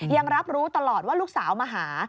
ยังรับรู้ตลอดว่าลูกสาวมาหา